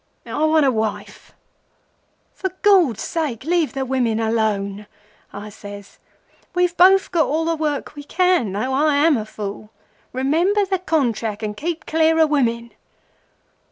I want a wife.' "'For Gord's sake leave the women alone!' I says. 'We've both got all the work we can, though I am a fool. Remember the Contrack, and keep clear o' women.